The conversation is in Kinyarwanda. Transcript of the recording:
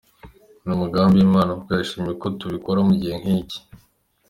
Ni umugambi w’Imana kuko yashimye ko tubikora mu gihe nk’iki.